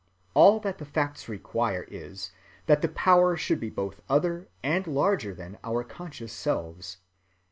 All that the facts require is that the power should be both other and larger than our conscious selves.